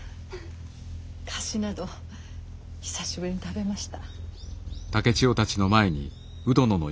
菓子など久しぶりに食べました。